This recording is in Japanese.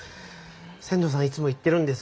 千堂さんいつも言ってるんです。